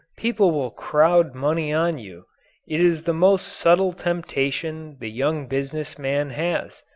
People will crowd money on you. It is the most subtle temptation the young business man has.